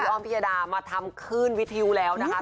คุณอ้อมพิยาดามาทำคลื่นวิทยูแล้วนะคะ